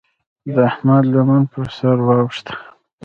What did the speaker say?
د احمد لمن پر سر واوښته.